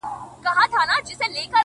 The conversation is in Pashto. • نصیب مي بیا پر هغه لاره آزمېیلی نه دی ,